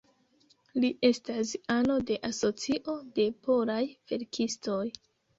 Li estas ano de Asocio de Polaj Verkistoj.